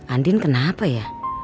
andin kenapa ya